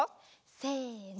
せの。